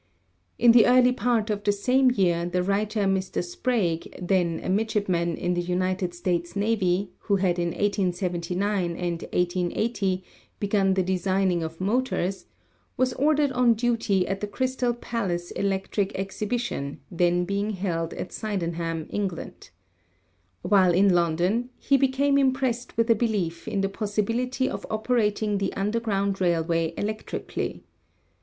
In the early part of the same year the writer, Mr. Sprague, then a midshipman in the United States Navy, who had in 1879 and 1880 begun the designing of motors, was ordered on duty at the Crystal Palace Electrical Ex 284 ELECTRICITY hibition then being held at Sydenham, England. While in London he became impressed with a belief in the possi bility of operating the underground railway electrically.